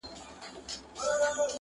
په دنیا کي چي هر څه کتابخانې دي!!